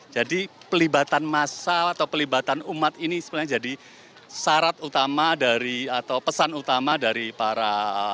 jadi pelibatan masa atau pelibatan umat ini sebenarnya jadi syarat utama dari atau pesan utama dari para